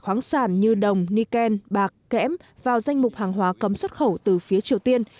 khoáng sản như đồng nikken bạc kẽm vào danh mục hàng hóa cấm xuất khẩu từ phía triều tiên